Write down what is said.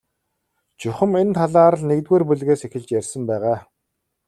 Чухам энэ талаар л нэгдүгээр бүлгээс эхэлж ярьсан байгаа.